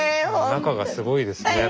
中がすごいですね